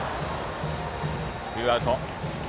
ツーアウト。